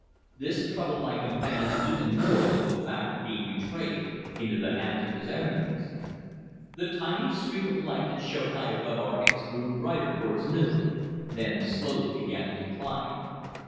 This troubled my companion even more than the fact of being betrayed into the hands of his enemies. The tiny streak of light that showed high above our heads grew brighter towards noon, then began slowly to decline.